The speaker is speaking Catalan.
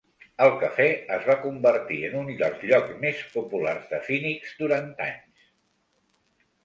El Cafe es va convertir en un dels llocs més populars de Phoenix durant anys.